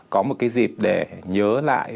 có một cái dịp để nhớ lại